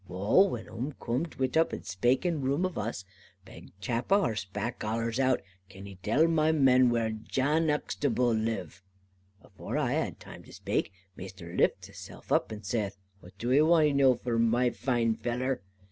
Wull, when 'um coom'd within spaking room of us, beg chap a' horsebarck hollers out, 'Can 'e tell, my men, where Jan Uxtable live?' Avore I had taime to spake, Maister lifts hissell up, and zaith, 'What doo 'e want to know for, my faine feller?